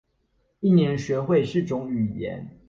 一年學會四種語言